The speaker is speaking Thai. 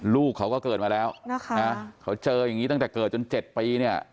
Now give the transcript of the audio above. ลูกเขาก็เกิดมาแล้วนะคะเขาเจออย่างนี้ตั้งแต่เกิดจน๗ปีเนี่ย